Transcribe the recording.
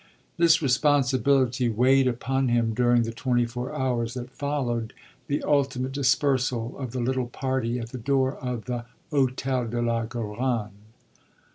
This responsibility weighed upon him during the twenty four hours that followed the ultimate dispersal of the little party at the door of the Hôtel de la Garonne.